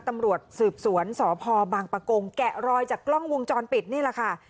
ตำรวจสืบสวนสพบางปะกงแกะรอยจากกล้องวงจรปิดนี่แหละค่ะ